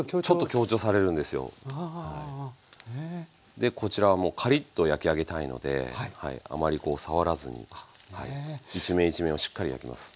でこちらはもうカリッと焼き上げたいのであまりこう触らずに一面一面をしっかり焼きます。